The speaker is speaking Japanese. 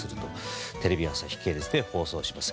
テレビ朝日系列で放送します。